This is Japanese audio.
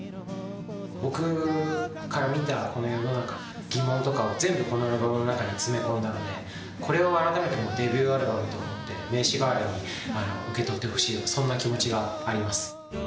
僕から見たこの世の中の疑問とかを、全部、このアルバムの中に詰め込んだので、これを改めてデビューアルバムだと思って、名刺代わりに受け取ってほしい、そんな気持ちがあります。